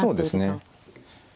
そうですね。